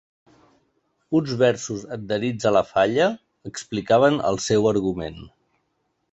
Uns versos adherits a la falla explicaven el seu argument.